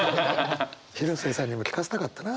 広末さんにも聞かせたかったな。